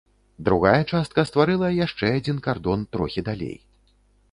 Другая частка стварыла яшчэ адзін кардон трохі далей.